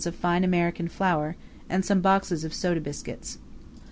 of fine American flour, and some boxes of soda biscuits.